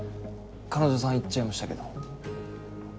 彼女さん行っちゃいましたけど。